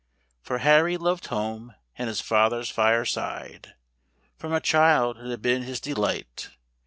S / For Harry loved home and his father's fire side; From a child it had been his delight.